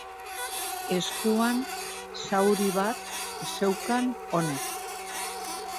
Eskuan zauri bat zeukan honek.